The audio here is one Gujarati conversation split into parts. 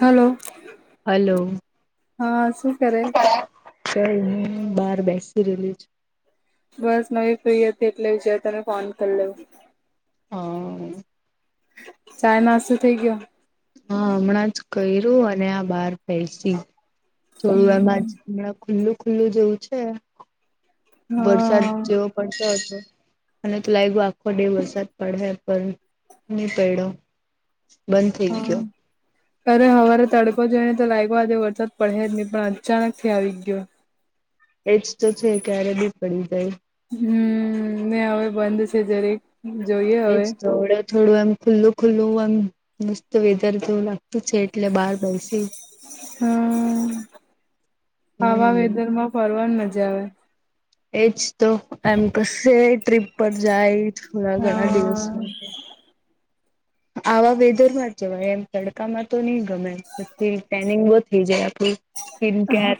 હલો. હલો હા શું કરે શેલ હું બાર બેસી રેલી છું. બસ મેં બી ફ્રી હતી એટલે જ તને ફોન કર લઉ. હા. ચાય નાસ્તો થઈ ગયો? હા હમણાં જ કર્યું અને આ બહાર બેસી થોડું એમાં જ હમણાં ખુલ્લું ખુલ્લું જેવું છે. વરસાદ હા જેવો પડતો હશે. અને તો લાગ્યું આખો ડે વરસાદ પડે પણ નહી પડડ્યો. બંધ થઈ હા ગયો. અરે હવારે તડકો જઈને તો વરસાદ પડે જ નહી પણ અચાનક થી આવી ગયો. એજ તો છે ક્યારે બી પડી જાય. હમ્મ નહીં હવે બંધ થઈ જરીક એક. જોઈએ. એજ હવે થોડું થોડું એમ ખુલ્લું ખુલ્લું એમ મસ્ત વેધર થું લાગ તું છે એટલે બહાર બેસી. હમ આવા હમ્મ. વેધર માં ફરવાની મજા આવે‌. એજ તો એમ કશે ટ્રીપ પર જાય લાગઆ દિવસ હા માટે [inaudible] આવા વેધરમાં જવાય એમ તડકામાં તો નહી ગમે પછી ટેનિંગ બહુ થઈ જાય આપડું. કેમ કે આ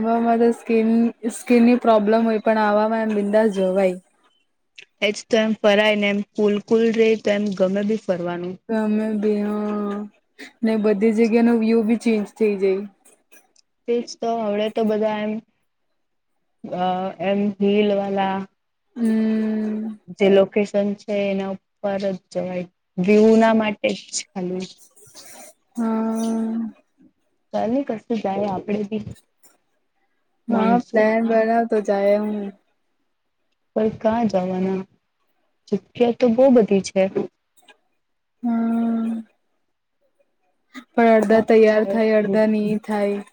આમા સ્કીન સ્કીન ની પ્રોબ્લેમ હોય પણ આવામાં એમ બિંદાસ જોવાય. એજ તો એમ ફરાય ને એમ કુલકુલ રે તો એમ ગમે બી ફરવાનું. અમે બે હ ને બધી જગ્યાનો વ્યુ ચેન્જ થઇ જાય. તે જ તો હવડે તો બધા એમ અહ એમ રીલ વાલા હમ્મ. જે લોકેશન છે એના ઉપર જ જવાય વ્યુ ના માટે જ ખાલી. હા ચાલ ને કશું જાય આપડે બી હા, પ્લન મોનસૂનમાં બના તો જાયા હું. પર ક્યાં જવાના જગ્યા તો બહુ બધી છે. હા. પણ અડધા તૈયાર થાય અડધા નહી થાય.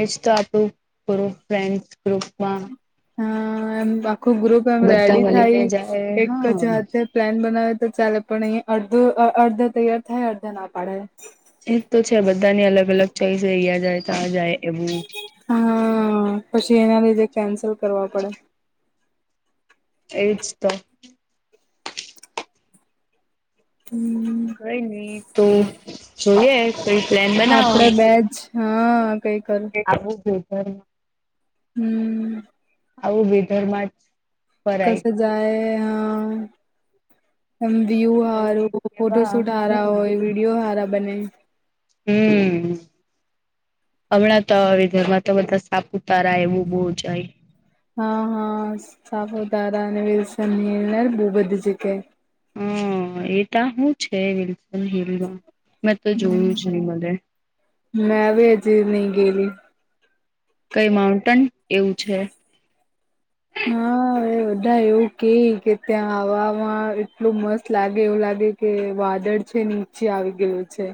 એ સ્ટાફ ગ્રુપ માં ફ્રેન્ડ ગ્રુપમાં. હા, એમ આખો ગ્રુપ એમ બધા રેડી મળીને થાય જાય એક હા જ હાથે પ્લાન બનાવે તો ચાલે પણ અહીંયા અહ અહ અડધો તૈયાર થાય અડધા ના પાડે. એ તો છે બધાની અલગ અલગ ચોઈસ અહીયાં જાય ત્યા જાય એવું. હા પછી એના લીધે કેન્સલ કરવા પડે. એ જ તો. હમ્મ. કંઈ નઈ, તો જોયે. કોઈ પ્લાન- બનાવો આપડે બેજ, હા કઈ કરું- આવવુ જોય [unintelligible] હમ્મ‌. આવી વેધર માં જ- ફરાય કસે જાય, હાઅ. એ વ્યુ કઈને હારું, ફોટો કેવા શૂટ હારા હમ હોય, વિડીયો હારા બને. હમ્મ. હમણાં તો, આવા વેધરમાં, તો બધા સાપુતારા એવું બહુ જાય. હા હા, સાપુતારા અને વિલ્સન હીલ બહુ બધી જગ્યાએ. હ એતો શું છે, વિલ્સન હિલમાં, મેં તો જોયું જ ની મલે. મેં બી, જી નહી ગેલી. - કંઈ માઉન્ટન એવું છે? હા, એ બધા એવું કે, કે ત્યાં એટલું મસ્ત લાગે એવું લાગે- કે વાદળ છે, નીચે આવી ગયેલું છે.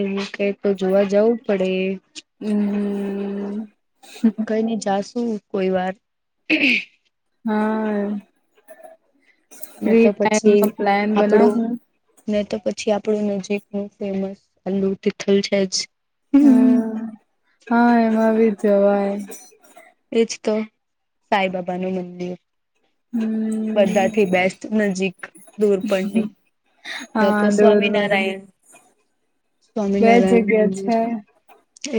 એમ? કંઈ તો જોવા જવું પડે. - હું. કોઈની, જાશું કોઈવાર. હા ને ફ્રી ટાઈમ મા પ્લાન બનાવું હું- નેતો પછી, આપણું નજીક નું ફેમસ આલુ તિથલ છે જ. હા હા એમાં બી જવાય. એજ તો સાંઈબાબા નું મંદિર, હું. બધાથી બેસ્ટ નજીક દૂર પણની, તો હા તો ડોરવણ સ્વામિનારાયણ, બે સ્વામિનારાયણ જગ્યા મંદિર. છે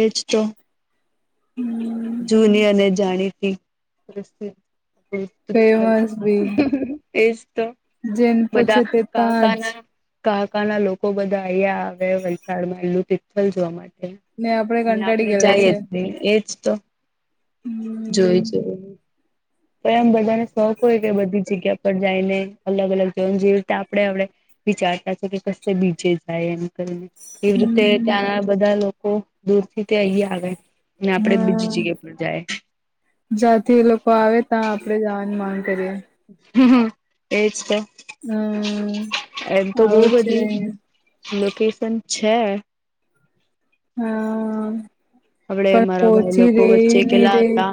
એજતો, હું. જૂની અને જાણીતી, ફેમસ બી [unintelligible] [unintelligible] એજ, તો જેને પૂછે બધા તે ત્યાં જ કાકાના, કાકાના લોકો બધા અહીંયા આવે, વલસાડમાં એલું તિથલ જોવા માટે. ને આપડે ને, કંટાળી આપડે ગયેલા જઈએ જાહી એજ તો. - હું. જોઈ છે, તો એમ બધાને શોખ હોય કે, બધી જગ્યા પર જઈને, અલગ -અલગ જીવન જેવી રીતે આપણે આપડે- વિચારતા છે, કે બીચે જાય એમ કરીને એવી રીતે હમ ત્યાંના બધા લોકો - દૂર થી તે અહીંયા આવે, અને આપડે બીજી હા જગ્યા જાય. જ્યાંથી એ લોકો આવે, ત્યાં આપડે જવાની માંગ કરીએ- હું, હું એજ તો, હમ એમ તો બહુ આવું છે બધી- લોકેશન છે. અ.. આવડે, મારા ભાઈ લોકો વચ્ચે ની ગેલા રે હમ હતા,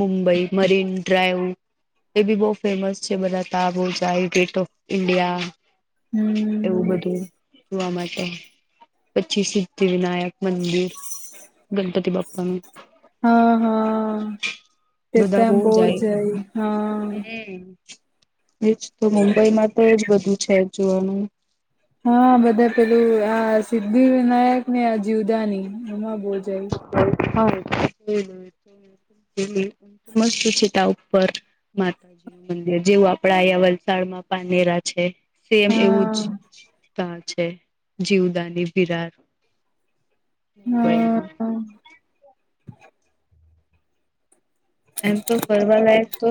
મુંબઈ મરીન ડ્રાઈવ- એબી બહુ ફેમસ છે, બનાતા [unintelligible] ગેટ ઓફ ઇન્ડિયા. એવું બધું જોવા માટે પછી સિદ્ધિવિનાયક, મંદિર ગણપતિ બાપ્પાનું હા, હા તેતો બધા અમ બો જય હા હેને. એજ તો મુંબઈમાં તો જ બધું છે જોવાનું હા બધા પેલું આ સિદ્ધિવિનાયકને આ જીવદાની એમાં બો જાય. [unintelligible] એજ ને [unintelligible] છે તાં ઉપર માત મંદિર જેવું આપડા આયા વલસાડમાં પાનેરા છે. સેમ એવું જ હા તાં છે. જીવદાની વિરાર. [unintelligible] હા [inaudible] એમતો ફરવા લાયક તો,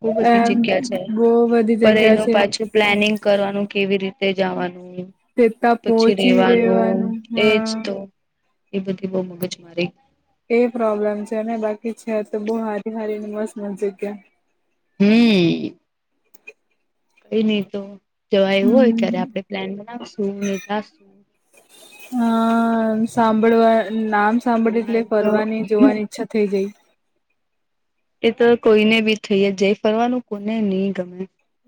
બહુ બધી એમ જગ્યા છે. બો બધી પર જગ્યા એનો છે પાછો પ્લાનિંગ કરવાનું કેવી રીતે જવાનું ને તે ત્યાં એ પછી પહોંચી રેવાનું. એજ હા તો. એ બધી બહુ મગજમારી એ પ્રોબ્લેમ છે ને બાકી છે તો બહુ હારી હારી ને મસ્ત મસ્ત જગ્યા. હમ્મ કંઈ નઈ તો જવાય એવું હોય ત્યારે હમ આપડે પ્લાન બનાવશું ને જાશું હા સાંભળવા નામ સાંભળી એટલે ફિલહાલ તો ફરવાની, જોવાની ઈચ્છા થઈ જાય એતો કોઈને બી થય જ જાય. ફરવાનું કોને ની ગમે?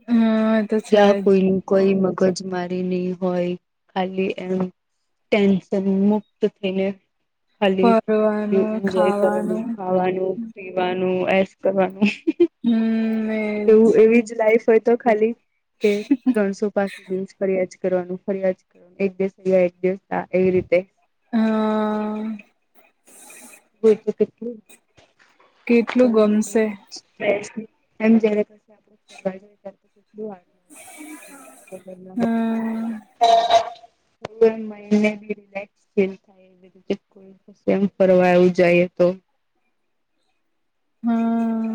હા તો છે ત્યાં જ કોઈની કોઈ મગજમારી નહી હોય ખાલી એમ ટેન્શનમુક્ત થઈને ખાલી ફરવાનું એન્જોય કરવાનું, ખાવાનું ખાવાનું પીવાનું, એસ કરવાનું હમ્મ એ એવું એવી જ લાઈફ હોય તો ખાલી તેજ્તો. શું ત્રણસો પાસઠ દિવસ ફરિયાજ કરવાનું ફરિયાજ એક દિવસ ગ્યા. એક દિવસ ના એવી રીતે હા.. કેટલું [inaudible] ગમશે સ્ટ્રેસ [unintelligible] [inaudible] હમ [inaudible] રિલેક્સ [inaudible] એવી રીતે [inaudible] એમ ફરવાવું જાએ તો હા..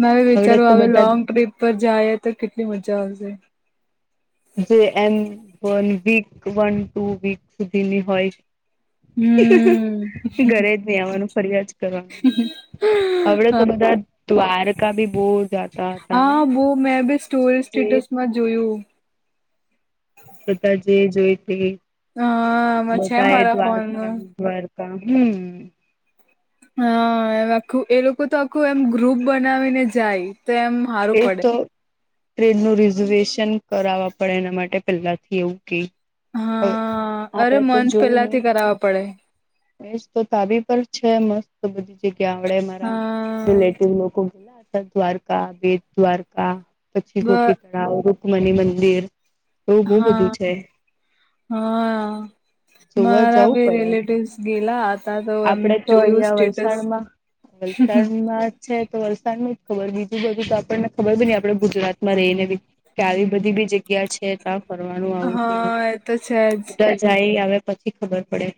મેં બી આવડે વિચારું તો હવે બધા લોંગ ટ્રીપ પર જાયે તો કેટલી મજા આવશે? જે એમ one week, one two week સુધીની હોય હમ ઘરે જ ની આવવાનું ફર્યા જ કરવાનું હવડે તો બધા દ્વારકા બી બહુ જા હા બો મેં ભી સ્ટોરી, જે સ્ટેટસમાં જોયું. બધા જે જોઈ તે હા છે બધાએ મારા દ્વારકા ફોનમાં દ્વાર કા હમ્મ હા એમ આખ્ખું એ લોકો તો આખ્ખું એમ ગ્રુપ બનાવીને જાય તો એમ હારું એ પડે તો ટ્રેનનું રિઝર્વેશન કરાવવા પડે એના માટે પેલ્લાથી એવું કી કય હા અરે આપડે કય મંથ જોયું ને પેલાથી કરાવવા પડે એ જતો તાબી પર છે મસ્ત બધી જગ્યા આવડે મારા હા [unintelligible] લોકો ગેલા હતા દ્વારકા, બેટ દ્વારકા પછી બ ગોપી તળાવ, રુકમણી મંદિર એવું બો બધું હા છે. હા જોવા મારા જવું બી પડે રિલેટિવસ ગેલા હતા તો એમ આપડે તો જોયું અહિયાં સ્ટેટસ. વલસાડમાં વલસાડમાં છે, તો વલસાડનુ જ ખબર બીજું બ [unintelligible] આપણને ખબરની આપડે ગુજરાતમાં રેય ને બી કે આવી બધી બી જગ્યા છે, ત ફરવાનું આવું હતું હા એ તો છે જ બધા જાય આવે પછી ખબર પડે.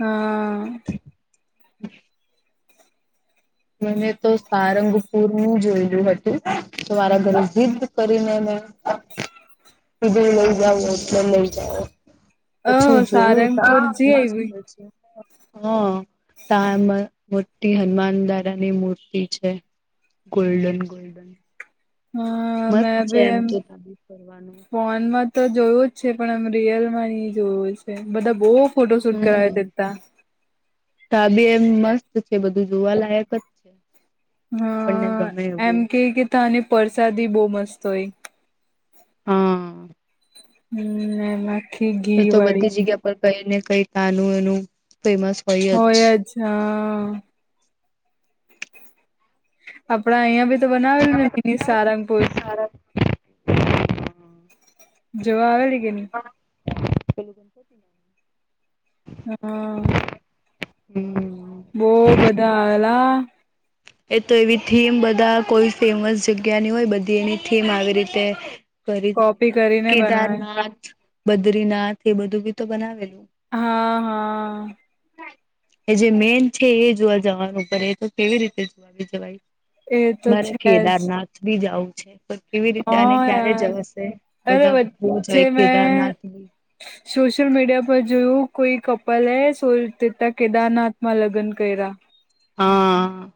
હા. મને તો સારંગપુરનું જોયલું હતું. તો મારા ઘરે જિદ્દ કરીને મે કીધુ લઈ જાઓ એટલે લઈ જાઓ ઓ પછી જોયું સારંગપુર જી આઈવી [unintelligible] હ તા એમ મોટી હનમાન દાદાની મૂર્તિ છે, ગોલ્ડન ગોલ્ડન હા મસ્ત છે મેબી એમ તો ત્યાં બી ફરવાનું. ફોનમાં તો જોયું જ છે, પણ આમ રિયલમાંની જોયું છે, બધા બો ફોટો શૂટ કરાવે તેતા તાબી એમ મસ્ત છે, બધું જોવા લાયક જ છે હ આપણને ગમે એમ એવું કેયકે તાની પરસાદી બો મસ્ત હોય. હ. હમ એમાં એ તો બધી જગ્યા પર કઈ ને કઈ તાનું એનું ફેમસ હોય જ હા આપડા અહિયાં ભી તો બનાવેલું ને મિની સારંગપુર [inaudible] જોવા આવેલી કેની? [inaudible] હમ હમ. બો બધા આવેલા એ તો એવી થીમ બધા કોઈ ફેમસ જગ્યાની હોય બધી એની થીમ આવી રીતે કરી કોપી કરીને બનાવે કેદારનાથ, બદ્રીનાથ એ બધું બી તો બનાવેલું હા હા. એ જે મેન છે, એ જોવા જવાનું [unintelligible] તો કેવી રીતે જોવાઈ જવાય એ તો મારે છે જ કેદારનાથ બી જાવું છે. પર કેવી રીતે અને હા ક્યારે યાર જવાશે અરે બધા બો વચ્ચે જાય મેં કેદારનાથની સોશિયલ મીડિયા પર જોયું કોઈ કપલ એ સોલ તેતા કેદારનાથમાં લગ્ન કર્યા હા.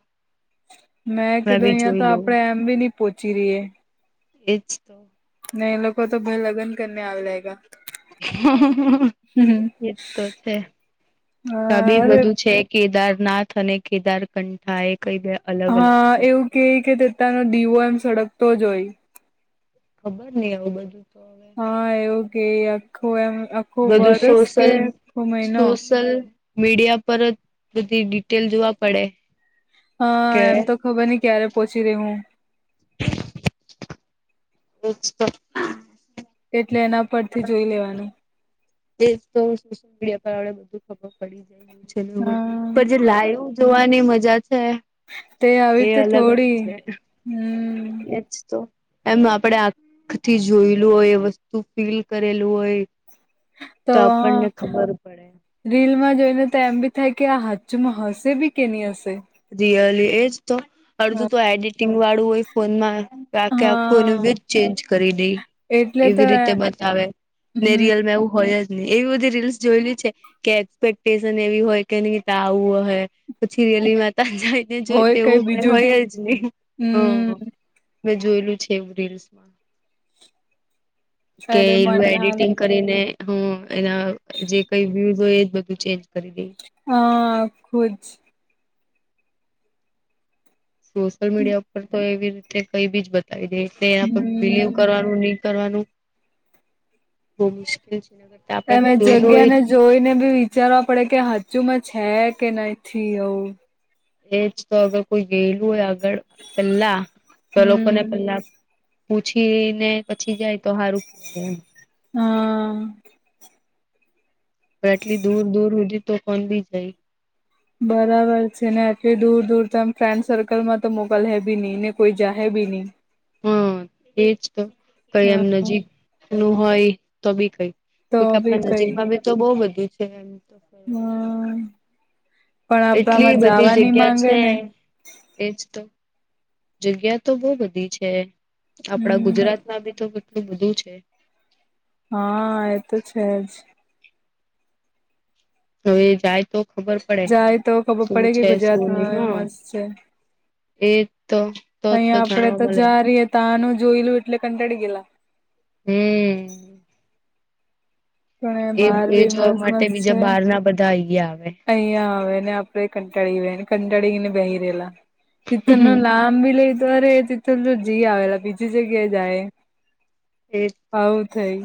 મેં કીધું બી અહિયા તો જોઈ લઉં. આપડે એમ ભી ની પોહોંચી રીએ એજ તો ને એ લોકો તો ભાય લગ્ન કરને આવી લાયગા એજ તો છે, તા બી અરે બધું છે. કેદારનાથ અને કેદારકંઠા એ કઈ બે અલગ અલગ હા છે એવું કેય કે તેતાનો ડીવો એમ સડક તો જ હોય ખબર ની આવું બધું તો હવે હા એવું કે આખો એમ આખું બધું વર્ષ કે સોશયલ આખો મહિનો સોશયલ મીડિયા પર બધી ડિટેલ જોવા પડે હા કે એમ તો ખબર નઈ ક્યારે પહોંચી રે હું [unintelligible] એટલે એના પરથી જોઈ લેવાનું એ તો સોશિયલ મીડિયા પર આપડે બધું ખબર પડી જાય એવું છે નેય હા પણ જે લાઈવ જોવાની મજા છે. તે આવી એ રીતે થોડી છે હમ્મ. એ જ તો એમ આપણેે આખથી જોયેલું હોય વસ્તુ ફીલ કરેલું હોય તો આપણને ખબર પડે રીલમાં જોઈને તો એમ બી થાય આ હાચુમાં બી કે નહી હશે રીયલી એજ તો અડધું તો એડિટિંગ વાળું હોય ફોનમાં આખે આખું એનું હા વિજ ચેન્જ કરી દે એટલે તો એવી રીતે બતાવે હમ નેરિયલમાં એવું હોય જ એવી બધી રીલ્સ જોયેલી છે કે એક્સપેક્ટેશન એવી હોય કે નહી તા આવું હોય પછી રિયલી માતા જાય ને જોય હોય તે એવું કઈ બીજું હોય જ નહી હમ્મ. હમ મેં જોયલું છે રીલ્સમાં કે અરે એલું મનાલ એડિટિંગ કરીને હમ્મ એના જે કઈ વ્યુઝ હોય એજ બધું ચેન્જ કરી દઈએ. હા ખુબ જ સોશિયલ મીડિયા ઉપર તો એવી રીતે કઈ બીજ બતાવી દે એટલે એના પર બિલીવ હમ કરવાનું નહી કરવાનું બહું મુશ્કેલ છે. કરતા તમે આપણે જોયેલું જગ્યા હોય ને જોઈને બી વિચારવા પડે કે હજુમાં છે કે નથી એવું એજ તો અગર કોઈ ગયેલું હોય આગળ પહેલા તો લોકોને હમ પહેલા પૂછી ને પછી જાય તો સારું કેવાય એમ હા. એટલી દૂર દૂર હુદી તો પણ બી નઈ બરાબર છે ને આટલી દૂર દૂર ત ફ્રેન્ડ સર્કલમાં તો મોકલ હે બી નહી ને કોઈ જાહે બી નઈ હા એજ તો કઈ એમ હા નજીક નું હોય તો બી કઈ તો કે બી આપણા નજીકમાં બી તો બહું બધું છે એમ તો ફરવા લાયક હમ્મ પણ એટલી આપણમાં બધી જાવાની જગ્યા માંગે છે ને એજ તો જગ્યા તો બહું બધી છે આપડા હમ ગુજરાતમાં બી તો એટલું બધું છે. હા એ તો છે જ હવે એ જાય તો ખબર પડે જાય તો ખબર શું પડે કે છે શું નહી ગુજરાતમાં હા. મસ્ત છે એક તો અહીંયા આપડે જાણવા તો મળે જા રીએ તાનું જોયલું એટલે કંટાળી ગયેલા હમ્મ. પણ એ બહાર એ ભી જોવા મસ માટે મસ્ત છે. બીજા બહાર ના બધા અહિયાં આવે અહીંયા આવે ને આપડે કંટાળી ગયેલા ને કંટાળીને બેહે રહેલા તિથલનું નામ ભી લઈતો અરે તિથલતો જય આવેલા બીજી જગ્યાએ જાય એ તો આઉ થઈ